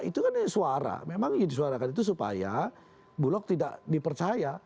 itu kan suara memang yang disuarakan itu supaya bulog tidak dipercaya